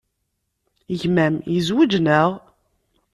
Gma-m yezwej, naɣ?